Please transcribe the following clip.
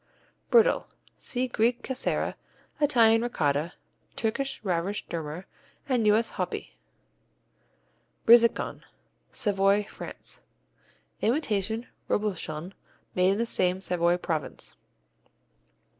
Brittle see Greek Cashera, Italian Ricotta, Turkish Rarush Durmar, and U.S. Hopi. Brizecon Savoy, France Imitation Reblochon made in the same Savoy province.